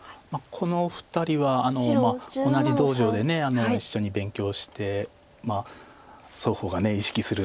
このお二人は同じ道場で一緒に勉強して双方が意識する